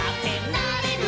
「なれる」